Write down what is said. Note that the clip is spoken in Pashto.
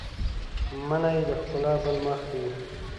منی د ښکلا بل مخ ښيي